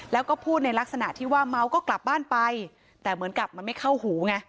แล้วก็พูดในลักษณะที่ว่าเมาก็กลับบ้านไปแต่เหมือนกับมันไม่เข้าหูไง